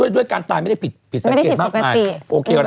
ด้วยการตายไม่ได้ผิดสังเกตมากมาย